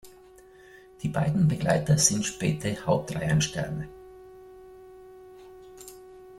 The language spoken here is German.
Die beiden Begleiter sind späte Hauptreihensterne.